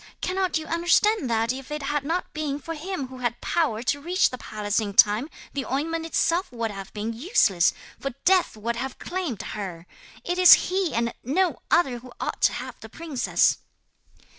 cannot you understand that if it had not been for him who had power to reach the palace in time the ointment itself would have been useless, for death would have claimed her? It is he and no other who ought to have the princess!'